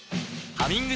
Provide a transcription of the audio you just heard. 「ハミング」